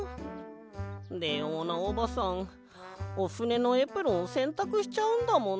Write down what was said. レオーナおばさんおふねのエプロンせんたくしちゃうんだもんなあ。